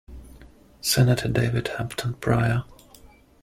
Senator David Hampton Pryor.